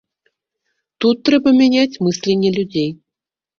Тут трэба мяняць мысленне людзей.